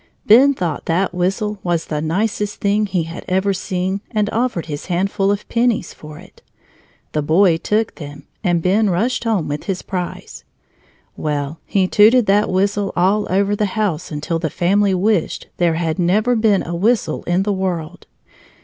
Ben thought that whistle was the nicest thing he had ever seen and offered his handful of pennies for it. The boy took them, and Ben rushed home with his prize. Well, he tooted that whistle all over the house until the family wished there had never been a whistle in the world.